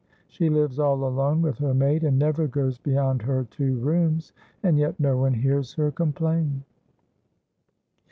She lives all alone with her maid, and never goes beyond her two rooms, and yet no one hears her complain."